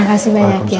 makasih banyak ya sienna